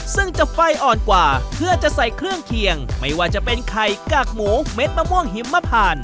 ซึ่งจะไฟอ่อนกว่าเพื่อจะใส่เครื่องเคียงไม่ว่าจะเป็นไข่กากหมูเม็ดมะม่วงหิมมะพาน